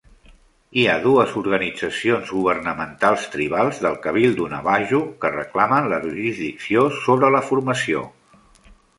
Hi ha dues organitzacions governamentals tribals del cabildo navajo que reclamen la jurisdicció sobre la formació.